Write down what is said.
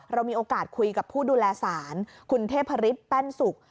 เรามีโอกาสคุยกับผู้ดูแลสารคุณเทพฤษแป้นสุก